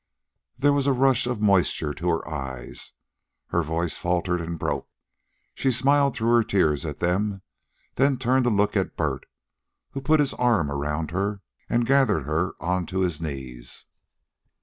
There was a rush of moisture to her eyes. Her voice faltered and broke. She smiled through her tears at them, then turned to look at Bert, who put his arm around her and gathered her on to his knees.